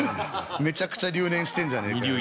めちゃくちゃ留年してんじゃねえかよ。